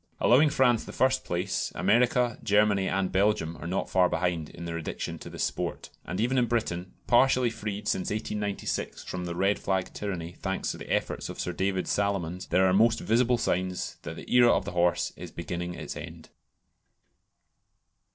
Allowing France the first place, America, Germany, and Belgium are not far behind in their addiction to the "sport," and even in Britain, partially freed since 1896 from the red flag tyranny, thanks to the efforts of Sir David Salomons, there are most visible signs that the era of the horse is beginning its end.